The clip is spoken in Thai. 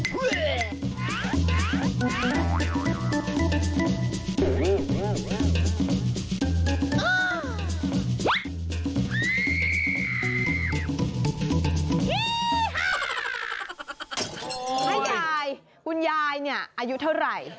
แม่ยายคุณยายเนี่ยอายุเท่าไหร่